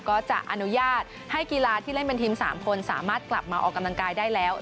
ก็จะอนุญาตให้กีฬาที่เล่นเป็นทีม๓คนสามารถกลับมาออกกำลังกายได้แล้ว